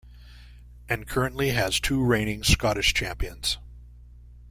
And currently has two reigning Scottish champions.